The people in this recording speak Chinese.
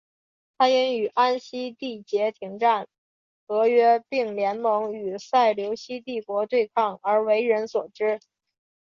他因与安息缔结停战和约并联盟与塞琉西帝国对抗而为人所知。